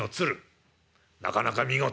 なかなか見事だな」。